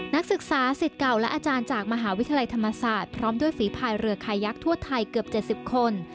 นักศึกษาสิทธิ์เก่าและอาจารย์จากมหาวิทยาลัยธรรมศาสตร์พร้อมด้วยฝีภายเรือคายักษ์ทั่วไทยเกือบ๗๐คน